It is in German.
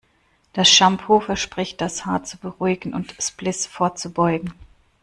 Das Shampoo verspricht das Haar zu beruhigen und Spliss vorzubeugen.